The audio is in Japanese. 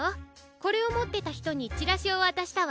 これをもってたひとにチラシをわたしたわ。